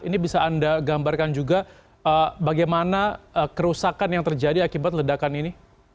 ini bisa anda gambarkan juga bagaimana kerusakan yang terjadi akibat ledakan ini